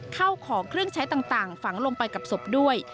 เข้าของเครื่องใช้ต่างฝังลงไปกับศพด้วย